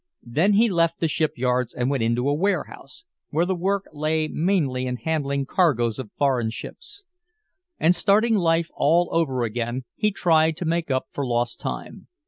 '" Then he left the ship yards and went into a warehouse, where the work lay mainly in handling cargoes of foreign ships. And starting life all over again he tried to make up for lost time.